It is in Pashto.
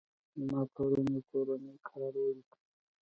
ما پرون يو کورنى کار وليکى.